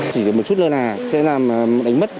chỉ được một chút lơ là sẽ đánh mất